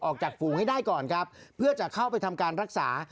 ฝูงให้ได้ก่อนครับเพื่อจะเข้าไปทำการรักษา